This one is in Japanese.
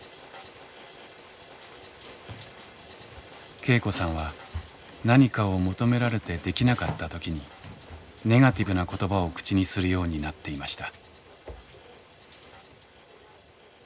恵子さんは何かを求められてできなかった時にネガティブな言葉を口にするようになっていました。